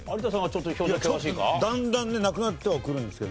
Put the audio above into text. ちょっとだんだんねなくなってはくるんですけど。